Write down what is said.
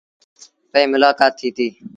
ائيٚݩ رو پئيٚ ملآڪآت ٿيٚتيٚ۔